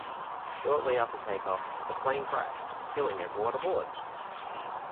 Shortly after takeoff, the plane crashed, killing everyone aboard.